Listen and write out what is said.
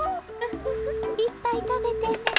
フフフいっぱいたべてね。